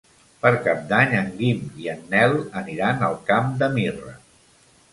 Per Cap d'Any en Guim i en Nel aniran al Camp de Mirra.